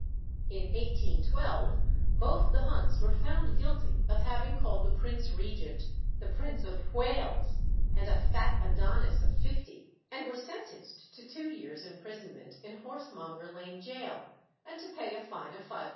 In 1812 both the Hunts were found guilty of having called the Prince Regent "the Prince of Whales" and "a fat Adonis of fifty," and were sentenced to two years' imprisonment in Horsemonger Lane gaol, and to pay a fine of £500.